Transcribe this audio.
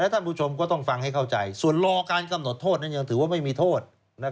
ท่านผู้ชมก็ต้องฟังให้เข้าใจส่วนรอการกำหนดโทษนั้นยังถือว่าไม่มีโทษ